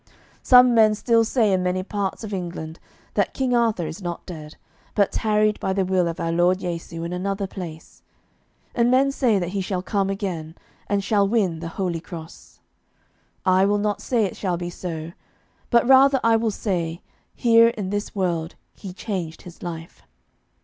Some men still say in many parts of England that King Arthur is not dead, but tarried by the will of our Lord Jesu in another place. And men say that he shall come again, and shall win the holy cross. I will not say it shall be so, but rather I will say, here in this world he changed his life.